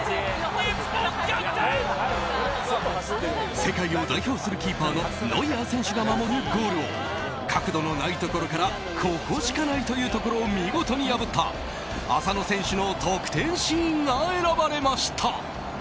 世界を代表するキーパーのノイアー選手が守るゴールを角度のないところからここしかないというところを見事に破った浅野選手の得点シーンが選ばれました。